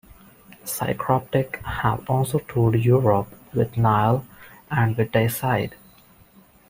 Psycroptic have also toured Europe with Nile and with Deicide.